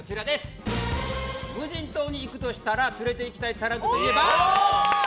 無人島に行くとしたら連れていきたいタレントといえば？